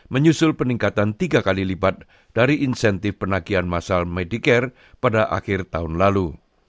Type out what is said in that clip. menyusul peningkatan tiga kali lipat dari insentif penagihan masal medicare pada akhir tahun lalu